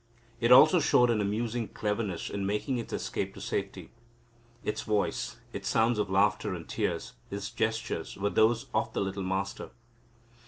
It also showed an amusing cleverness in making its escape to safety. Its voice, its sounds of laughter and tears, its gestures, were those of the little Master.